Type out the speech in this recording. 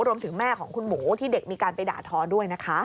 แม่ของคุณหมูที่เด็กมีการไปด่าทอด้วยนะคะ